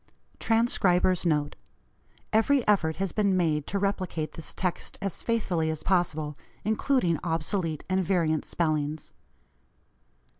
TRANSCRIBER'S NOTE: Every effort has been made to replicate this text as faithfully as possible, including obsolete and variant spellings.